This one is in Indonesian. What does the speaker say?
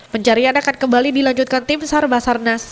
pencarian akan kembali dilanjutkan tim sarbasarnas